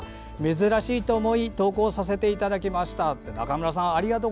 珍しいと思い投稿させていただきましたと。